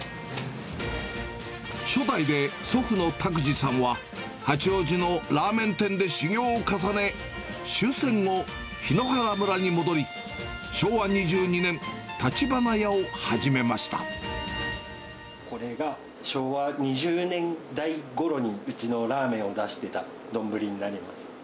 初代で祖父の卓治さんは、八王子のラーメン店で修業を重ね、終戦後、檜原村に戻り、昭和２２これが昭和２０年代ごろに、うちのラーメンを出してた丼になります。